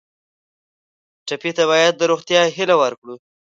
ټپي ته باید د روغتیا هیله ورکړو.